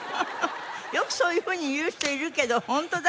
よくそういうふうに言う人いるけどホントだったらさ。